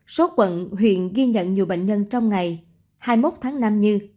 số quận huyện ghi nhận nhiều bệnh nhân trong ngày hai mươi một tháng năm như